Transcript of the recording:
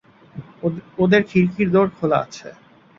ওদের খিড়কির দোর খোলা আছে।